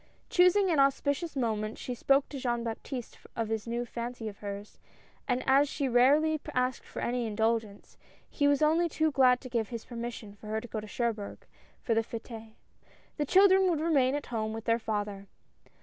Choosing an auspicious moment she spoke to Jean Baptiste of this new fancy of hers, and as she rarely asked for any indulgence, he was only too glad to give his permission for her to go to Cherbourg for the f^tes. The children would remain at home with their father.